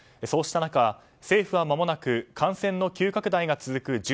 そうした中、政府はまもなく感染の急拡大が続く１３